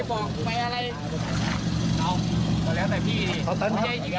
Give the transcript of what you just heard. ตรงไหน